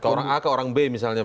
ke orang a ke orang b misalnya